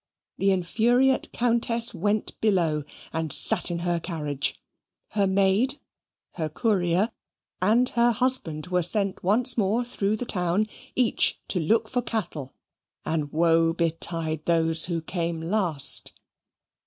The infuriate Countess went below, and sate in her carriage; her maid, her courier, and her husband were sent once more through the town, each to look for cattle; and woe betide those who came last!